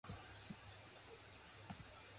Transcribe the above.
This entailed traveling throughout the east coast.